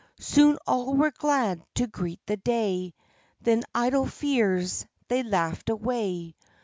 Soon all were glad to greet the day; Then idle fears they laughed away.